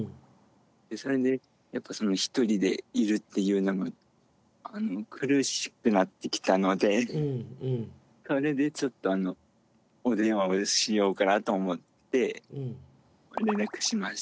それでやっぱその１人でいるっていうのが苦しくなってきたのでそれでちょっとあのお電話をしようかなと思って連絡しました。